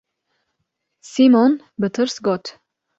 Sîmon bi tirs got: